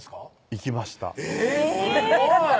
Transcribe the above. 行きましたえぇすごい！